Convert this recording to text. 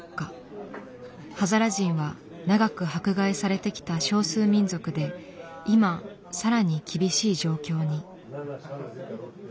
ハザラ人は長く迫害されてきた少数民族で今さらに厳しい状況に。